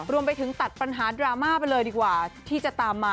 รวมไปถึงตัดปัญหาดราม่าไปเลยดีกว่าที่จะตามมา